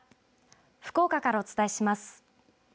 福岡からお伝えします。